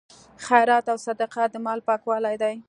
خیرات او صدقه د مال پاکوالی دی.